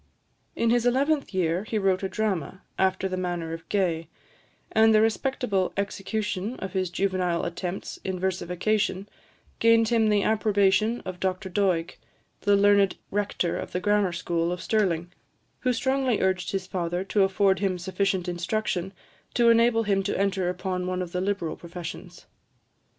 In his eleventh year, he wrote a drama, after the manner of Gay; and the respectable execution of his juvenile attempts in versification gained him the approbation of Dr Doig, the learned rector of the grammar school of Stirling, who strongly urged his father to afford him sufficient instruction, to enable him to enter upon one of the liberal professions.